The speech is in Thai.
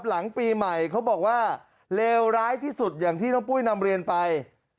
หลังปีใหม่เขาบอกว่าเลวร้ายที่สุดอย่างที่น้องปุ้ยนำเรียนไป